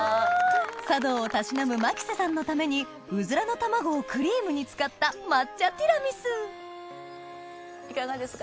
茶道をたしなむ牧瀬さんのためにうずらの卵をクリームに使った抹茶ティラミスいかがですか？